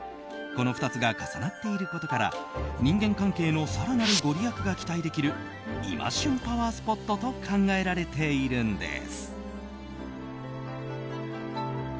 この２つが重なっていることから人間関係の更なるご利益が期待できる今旬パワースポットと考えられているんです。